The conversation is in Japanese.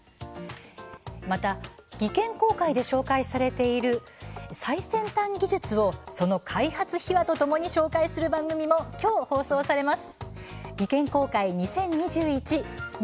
また「技研公開」で紹介されている最先端技術をその開発秘話とともに紹介する番組もきょう放送されます。